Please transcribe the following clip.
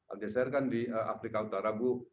algeser kan di afrika utara bu